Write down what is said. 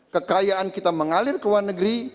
kekayaan kita mengalir ke luar negeri